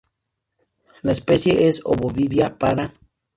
La especie es ovovivípara.